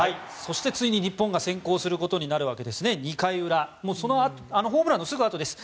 ついに日本が先行することになるわけですが２回裏、ホームランのすぐあとです。